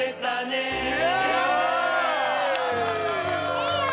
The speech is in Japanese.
いいよ